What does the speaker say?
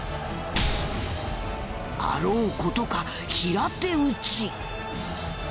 あろうことか平手打ち。